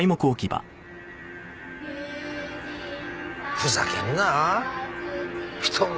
ふざけんな。